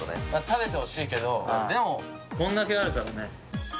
食べてほしいけどでもこんだけあるからね。